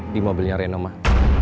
di mobilnya reno mah